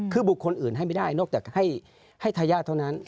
คือบุคคลอื่นให้ไม่ได้นอกจากให้ทายาทเท่านั้น